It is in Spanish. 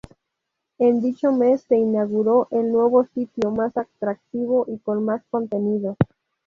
En dicho mes se inauguró el nuevo sitio, más atractivo y con más contenidos.